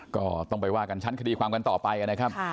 ก็ต้องไปว่ากันชั้นคดีความกันต่อไปนะครับ